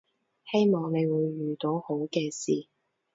希望你會遇到好嘅事